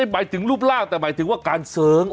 หมายถึงรูปร่างแต่หมายถึงว่าการเสริง